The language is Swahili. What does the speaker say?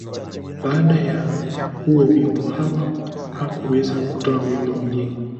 Baada ya huo wimbo, Hawa hakuweza kutoa wimbo mwingine.